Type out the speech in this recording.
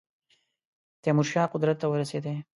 تیمور شاه قدرت ته ورسېدی.